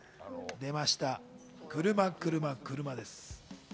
出ました、車、車、車です。